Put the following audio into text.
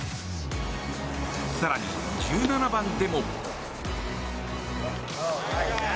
更に１７番でも。